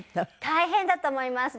大変だと思います。